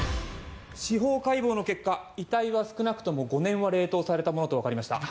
司法解剖の結果、遺体は少なくとも５年は冷凍されたものとわかりました。